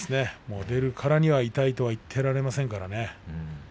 出るからには痛いと言っていられませんからね。